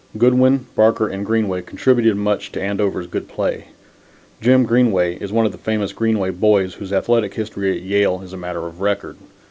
Goodwin, Barker and Greenway contributed much to Andover's good play. Jim Greenway is one of the famous Greenway boys whose athletic history at Yale is a matter of record.